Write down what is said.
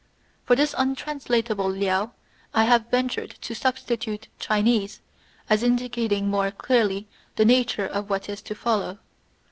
For this un translatable "Liao" I have ventured to substitute INTRODUCTION. XXIX "Chinese," as indicating more clearly the nature of what is to follow.